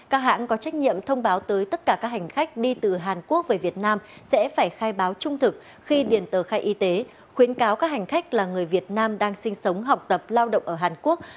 các hãng có trách nhiệm thông báo tới tất cả các hành khách đi từ hàn quốc về việt nam sẽ phải khai báo trung thực khi điền tờ khai y tế khuyến cáo các hành khách là người việt nam đang sinh sống học tập lao động ở hàn quốc